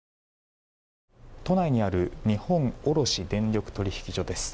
都内にある日本卸電力取引所です。